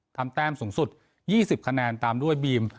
แต้มสูงสุด๒๐คะแนนตามด้วยบีม